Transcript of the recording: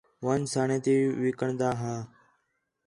ون٘ڄ سݨ تی وِکݨدا ہا